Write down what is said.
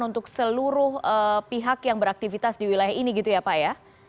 untuk seluruh pihak yang beraktivitas di wilayah ini gitu ya pak ya